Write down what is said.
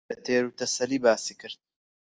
بە تێروتەسەلی باسی کرد